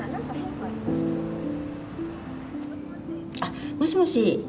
あっもしもし？